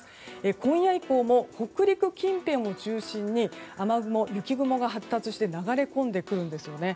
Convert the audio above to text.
今夜以降も、北陸近辺を中心に雨雲、雪雲が発達して流れ込んでくるんですよね。